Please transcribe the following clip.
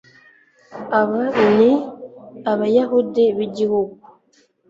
Aba ni Abayahudi bigihugu